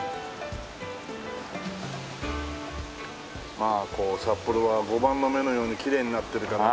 まあこう札幌は碁盤の目のようにきれいになってるからね。